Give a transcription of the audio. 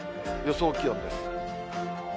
予想気温です。